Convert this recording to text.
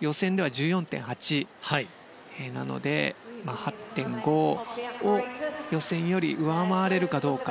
予選では１４．８なので８．５を、予選より上回れるかどうか。